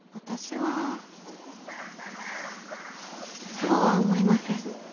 そうは思いません。